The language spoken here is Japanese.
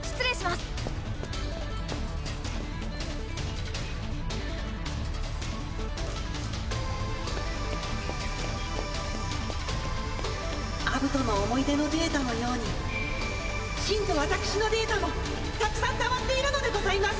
スマット：アブトの思い出のデータのシンと私のデータもたくさん溜まっているのでございます。